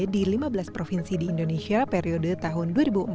di lima belas provinsi di indonesia periode tahun dua ribu empat belas dua ribu enam belas